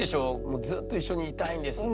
「ずっと一緒にいたいんです」と。